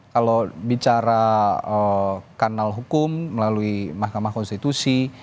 kalau bicara kanal hukum melalui mahkamah konstitusi